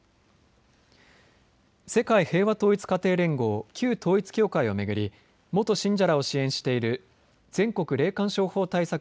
世界平和統一家庭連合・旧統一教会を巡り元信者らを支援している全国霊感商法対策